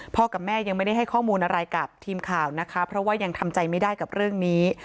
กับแม่ยังไม่ได้ให้ข้อมูลอะไรกับทีมข่าวนะคะเพราะว่ายังทำใจไม่ได้กับเรื่องนี้